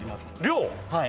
はい。